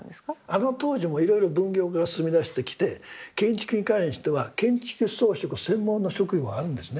あの当時もいろいろ分業化が進みだしてきて建築に関しては建築装飾専門の職業あるんですね。